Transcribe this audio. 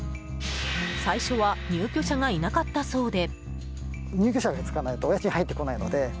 最初は入居者がいなかったそうで。